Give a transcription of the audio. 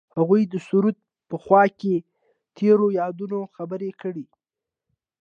هغوی د سرود په خوا کې تیرو یادونو خبرې کړې.